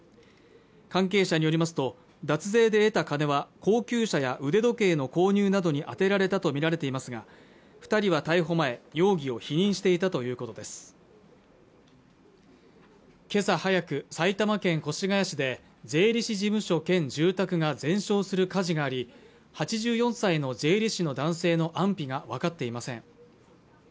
関係者によりますと脱税で得た金は高級車や腕時計の購入などに充てられたと見られていますが二人は逮捕前容疑を否認していたということですけさ早く埼玉県越谷市で税理士事務所兼住宅が全焼する火事があり８４歳の税理士の男性の安否が分かっていません